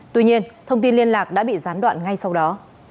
tuy nhiên thông tin liên lạc đã bị gián đoạn ngay sau đó